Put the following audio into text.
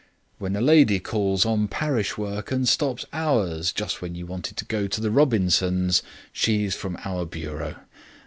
When a lady calls on parish work and stops hours, just when you wanted to go to the Robinsons', she's from our bureau.